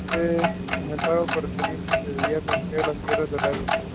Este pago correspondiente se debía canjear en las tiendas de raya.